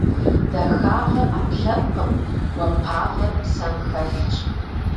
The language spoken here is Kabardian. Дахагъэр - ӏэпкълъэпкъым, гуапагъэр псэм хэлъщ.